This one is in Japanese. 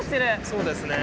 そうですね。